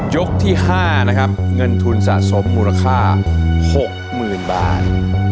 ยกที่๕นะครับเงินทุนสะสมมูลค่า๖๐๐๐บาท